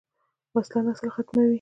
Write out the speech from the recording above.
وسله نسل ختموي